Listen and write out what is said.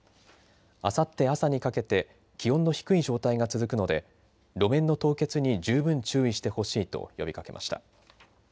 あさって朝にかけて気温の低い状態が続くので路面の凍結に十分注意してほしいと呼びかけました。